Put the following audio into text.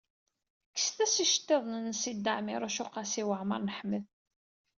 Kksent-as iceḍḍiḍen-nnes i Dda Ɛmiiruc u Qasi Waɛmer n Ḥmed.